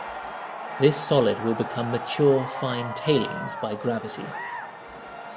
This solid will become mature fine tailings by gravity.